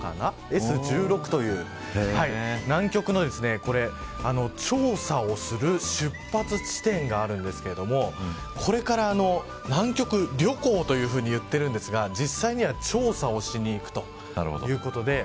Ｓ１６という南極の調査をする出発地点があるんですけどこれから南極旅行というふうに言ってるんですけど実際には、調査をしに行くということです。